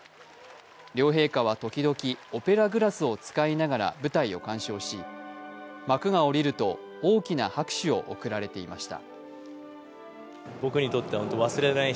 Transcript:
両陛下は時々、オペラグラスを使いながら舞台を鑑賞し、幕が下りると、大きな拍手を贈られていました。